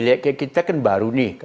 ini kan baru nih